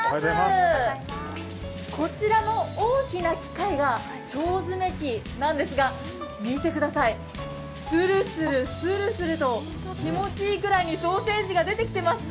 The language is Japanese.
こちらの大きな機械が腸詰機なんですが見てください、スルスル、スルスルと気持ちいいくらいにソーセージが出てきてます。